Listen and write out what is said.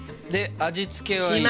で味付けは。